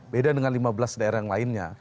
beda dengan lima belas daerah yang lainnya